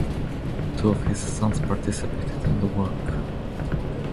Two of his sons participated in the work.